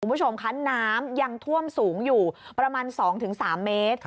คุณผู้ชมคะน้ำยังท่วมสูงอยู่ประมาณ๒๓เมตร